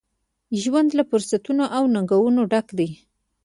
ژوند له فرصتونو ، او ننګونو ډک دی.